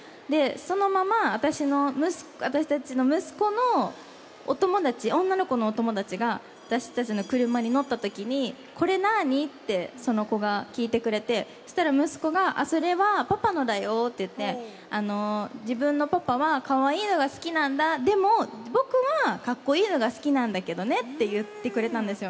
そのまま、私たちの息子のお友達、女の子のお友達が、私たちの車に乗ったときに、これ、なあに？って、その子が聞いてくれて、そしたら息子が、それは、パパのだよって言って、自分のパパはかわいいのが好きなんだ、でも、僕はかっこいいのが好きなんだけどねって言ってくれたんですよ。